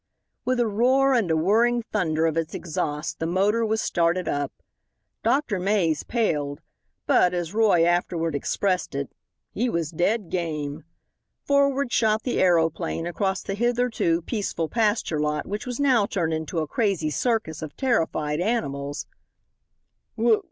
With a roar and a whirring thunder of its exhausts the motor was started up. Dr. Mays paled, but, as Roy afterward expressed it, "he was dead game." Forward shot the aeroplane across the hitherto peaceful pasture lot which was now turned into a crazy circus of terrified animals.